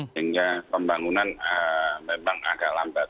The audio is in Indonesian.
sehingga pembangunan memang agak lambat